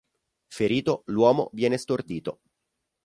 Ferito, l'uomo viene stordito.